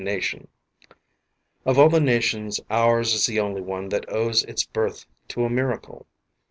nation. Of all the nations ours is the only one that owes its birth to a miracle.